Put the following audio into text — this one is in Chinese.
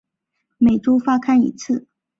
每周发刊一次。